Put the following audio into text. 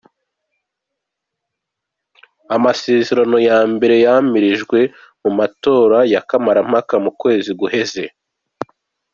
Amasezerano ya mbere yariyamirijwe mu matora ya kamarampaka mu kwezi guheze.